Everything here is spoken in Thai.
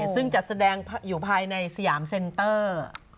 ซึ่งจัดแสดงอยู่ภายในสยามเซ็นเตอร์